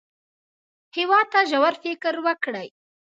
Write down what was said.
هېواد ته ژور فکر ورکړئ